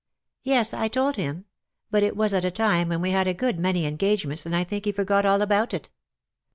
" Yes, I told him ; but it was at a time when we had a good many engagements, and I think he forgot all about it.